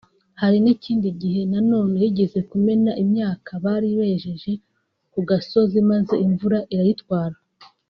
Hari n’ikindi gihe nanone yigeze kumena imyaka bari bejeje ku gasozi maze imvura irayitwara